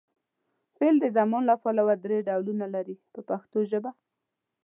فعل د زمانې له پلوه درې ډولونه لري په پښتو ژبه.